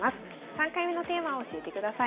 ３回目のテーマを教えてください。